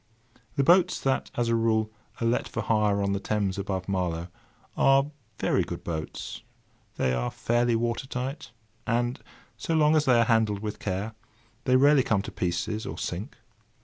The boats that, as a rule, are let for hire on the Thames above Marlow, are very good boats. They are fairly water tight; and so long as they are handled with care, they rarely come to pieces, or sink.